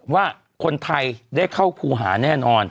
ว่าคนไทยได้เข้าครูหาแน่นอน